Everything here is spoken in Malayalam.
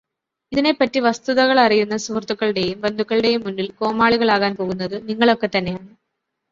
ഇതിനെ പറ്റി വസ്തുതകളറിയുന്ന സുഹൃത്തുക്കളുടെയും ബന്ധുക്കളുടെയും മുന്നിൽ കോമാളികളാകാൻ പോകുന്നത് നിങ്ങളൊക്കെ തന്നെയാണ്.